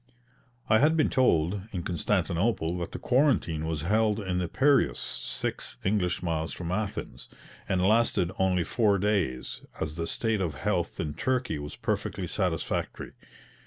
I had been told, in Constantinople, that the quarantine was held in the Piraeus (six English miles from Athens), and lasted only four days, as the state of health in Turkey was perfectly satisfactory.